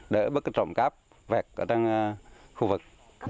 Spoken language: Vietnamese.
đỡ bất kỳ trọng cáp vẹt ở trong khu vực